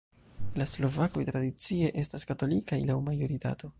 La slovakoj tradicie estas katolikaj laŭ majoritato.